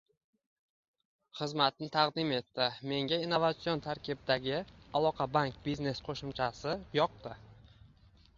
xizmatni taqdim etdi, menga innovatsion tarkibdagi Aloqabank Business qo'shimchasi yoqdi